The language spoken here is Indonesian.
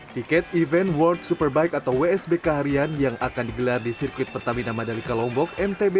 tiket event world superbike atau wsbk harian yang akan digelar di sirkuit pertamina madalika lombok ntb